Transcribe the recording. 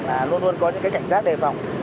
là luôn luôn có những cái cảnh giác đề phòng